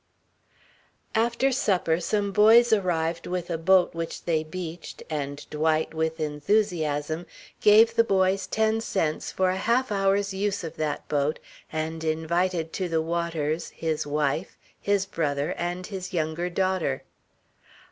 After supper some boys arrived with a boat which they beached, and Dwight, with enthusiasm, gave the boys ten cents for a half hour's use of that boat and invited to the waters his wife, his brother and his younger daughter.